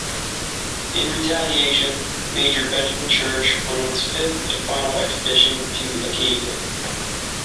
In retaliation, Major Benjamin Church went on his fifth and final expedition to Acadia.